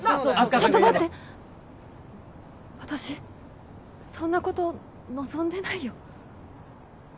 ちょっと待って私そんなこと望んでないよ